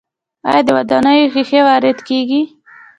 آیا د ودانیو ښیښې وارد کیږي؟